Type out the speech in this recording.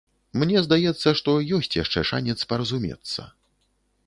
Мне здаецца, што ёсць яшчэ шанец паразумецца.